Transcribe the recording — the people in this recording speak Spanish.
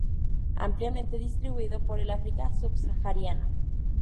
Ampliamente distribuido por el África subsahariana.